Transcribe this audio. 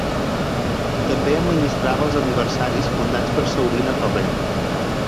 També administrava els aniversaris fundats per Saurina Torrent.